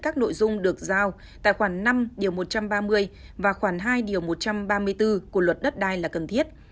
các nội dung được giao tại khoảng năm một trăm ba mươi và khoảng hai một trăm ba mươi bốn của luật đất đai là cần thiết